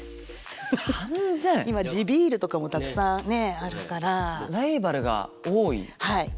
今地ビールとかもたくさんねあるから。